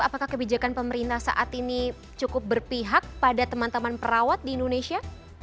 apakah kebijakan pemerintah saat ini cukup berpihak pada teman teman perawat di indonesia